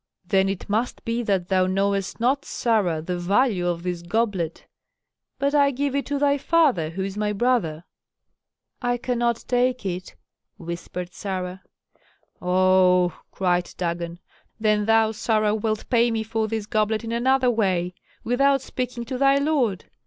"Then it must be that thou knowest not, Sarah, the value of this goblet. But I give it to thy father, who is my brother." "I cannot take it," whispered Sarah. "Oh!" cried Dagon. "Then thou, Sarah, wilt pay me for this goblet in another way, without speaking to thy lord.